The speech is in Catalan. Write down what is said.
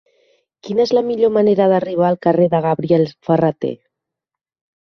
Quina és la millor manera d'arribar al carrer de Gabriel Ferrater?